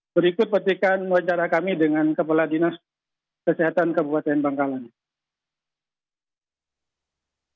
berikut petikan wawancara kami dengan kepala dinas kesehatan kabupaten bangkalan